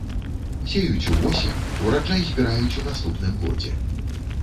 Сеюць увосень, ураджай збіраюць у наступным годзе.